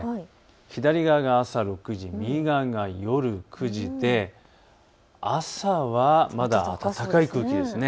左側が朝６時、右側が夜９時で朝はまだ暖かい空気ですね。